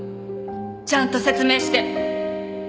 ちゃんと説明して